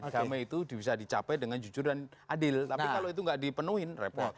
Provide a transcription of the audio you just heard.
damai itu bisa dicapai dengan jujur dan adil tapi kalau itu nggak dipenuhi repot